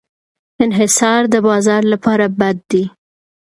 انحصار د بازار لپاره بد دی.